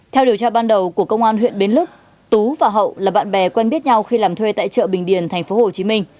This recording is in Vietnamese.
theo điều tra ban đầu của công an huyện bến lức tú và hậu là bạn bè quen biết nhau khi làm thuê tại chợ bình điền tp hcm